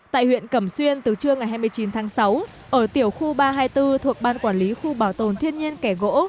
tại huyện cẩm xuyên từ trưa ngày hai mươi chín tháng sáu ở tiểu khu ba trăm hai mươi bốn thuộc ban quản lý khu bảo tồn thiên nhiên kẻ gỗ